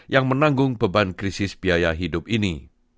yang menanggung beban krisis biaya hidup ini